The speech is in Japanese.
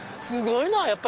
すごいなぁ！